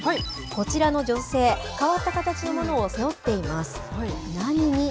こちらの女性、変わった形のものを背負っています。